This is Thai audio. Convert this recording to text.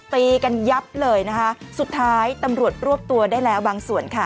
ตีกันยับเลยนะคะสุดท้ายตำรวจรวบตัวได้แล้วบางส่วนค่ะ